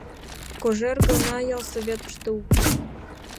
Кожер гына ялсоветыште уке.